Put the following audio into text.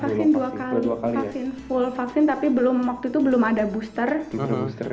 vaksin dua kali vaksin full vaksin tapi belum waktu itu belum ada booster